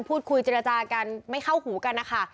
เจรจากันไม่เข้าหูกันนะคะ